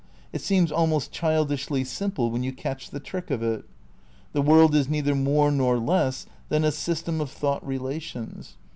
It seems almost childishly simple when you catch the trick of it. The world is neither more nor less than a system of thought relations.